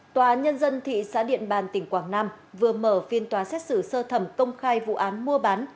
tòa nhân dân thị xã điện bàn tỉnh quảng nam vừa mở phiên tòa xét xử sơ thẩm công khai vụ án mua bán